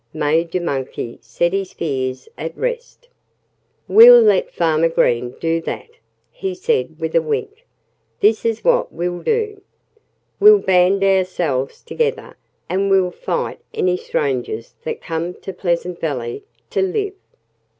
Major Monkey set his fears at rest. "We'll let Farmer Green do that," he said with a wink. "This is what we'll do: we'll band ourselves together and we'll fight any strangers that come to Pleasant Valley to live."